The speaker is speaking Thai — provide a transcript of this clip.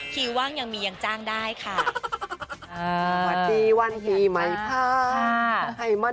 ว่างยังมียังจ้างได้ค่ะ